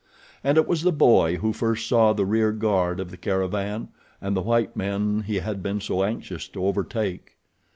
And it was the boy who first saw the rear guard of the caravan and the white men he had been so anxious to overtake.